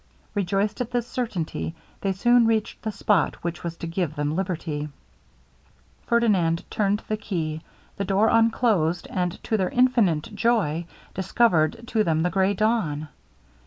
Rejoiced at this certainty, they soon reached the spot which was to give them liberty. Ferdinand turned the key; the door unclosed, and, to their infinite joy, discovered to them the grey dawn.